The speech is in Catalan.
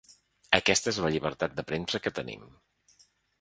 Aquesta és la llibertat de premsa que tenim.